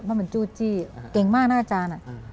เพราะมันจู้จี้เก่งมากนะอาจารย์